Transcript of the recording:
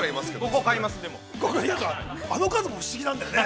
◆この数も不思議なんだよね。